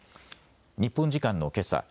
日本時間のけさ